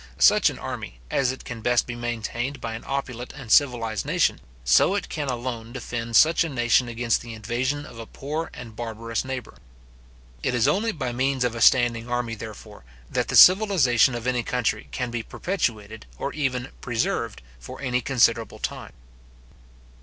Such an army, as it can best be maintained by an opulent and civilized nation, so it can alone defend such a nation against the invasion of a poor and barbarous neighbour. It is only by means of a standing army, therefore, that the civilization of any country can be perpetuated, or even preserved, for any considerable time.